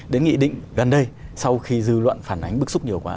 đến nghị định gần đây sau khi dư luận phản ánh bức xúc nhiều quá